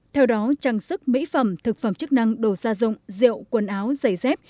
theo đó trang sức mỹ phẩm thực phẩm chức năng đồ gia dụng rượu quần áo giày dép